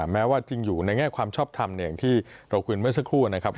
แม้ว่าจริงอยู่ในแง่ความชอบทำอย่างที่เราคุยเมื่อสักครู่นะครับ